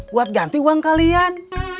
buat ganti uang kalian